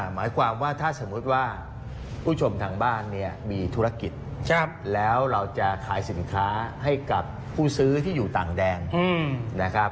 หมายความว่าถ้าสมมุติว่าผู้ชมทางบ้านเนี่ยมีธุรกิจแล้วเราจะขายสินค้าให้กับผู้ซื้อที่อยู่ต่างแดนนะครับ